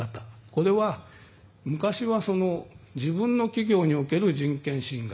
これは昔は、自分の企業における人権侵害